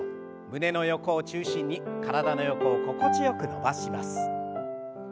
胸の横を中心に体の横を心地よく伸ばします。